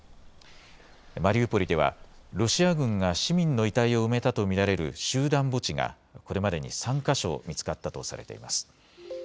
マリウポリではロシア軍が市民の遺体を埋めたと見られる集団墓地がこれまでに３か所見つかったとされています。